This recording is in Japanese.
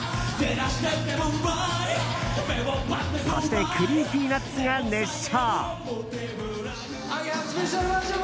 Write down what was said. そしてＣｒｅｅｐｙＮｕｔｓが熱唱。